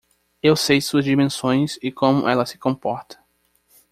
Eu sei suas dimensões e como ela se comporta.